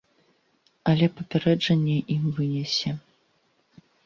Але папярэджанне ім вынясе.